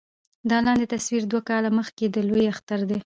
دا لاندې تصوير دوه کاله مخکښې د لوئے اختر دے